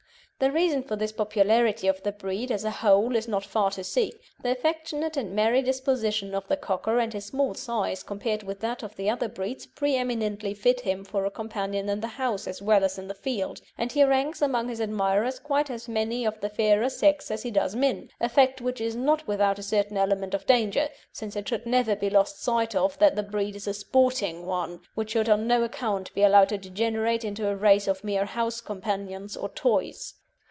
The reason for this popularity of the breed as a whole is not far to seek. The affectionate and merry disposition of the Cocker and his small size compared with that of the other breeds pre eminently fit him for a companion in the house as well as in the field, and he ranks among his admirers quite as many of the fairer sex as he does men a fact which is not without a certain element of danger, since it should never be lost sight of that the breed is a sporting one, which should on no account be allowed to degenerate into a race of mere house companions or toys.